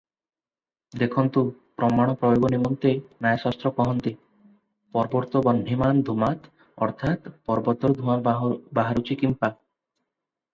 ଦେଖନ୍ତୁ ପ୍ରମାଣ ପ୍ରୟୋଗ ନିମନ୍ତେ ନ୍ୟାୟଶାସ୍ତ୍ର କହନ୍ତି, "ପର୍ବତୋବହ୍ନିମାନ୍ ଧୂମାତ୍" ଅର୍ଥାତ୍ ପର୍ବତରୁ ଧୂଆଁ ବାହାରୁଛି କିପାଁ?